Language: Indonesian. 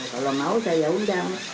kalau mau saya undang